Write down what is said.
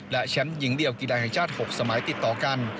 และแชมป์หญิงเดียวกีฬาแห่งชาติ๖สมัยติดต่อกัน